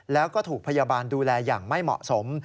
แล้วก็ถูกพยาบาลดูแลอย่างไม่เหมาะสม